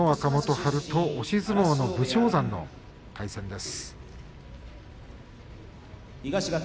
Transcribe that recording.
春と押し相撲の武将山の対戦です。